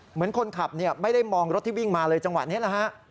เหมือนคนขับไม่ได้มองรถที่วิ่งมาเลยจังหวะนี้แหละฮะ